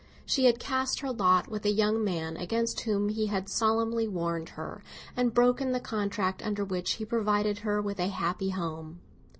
She had cast her lot with a young man against whom he had solemnly warned her, and broken the contract under which he provided her with a happy home.